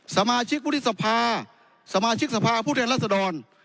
สมาชิกวุฒิสภาสมาชิกสภาผู้แทนรัศดร